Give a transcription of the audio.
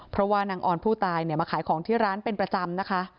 เพราะว่านางออนผู้ตายมาขายของที่ร้านเป็นประจำนะคะ